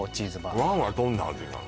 Ｎｏ．１はどんな味なの？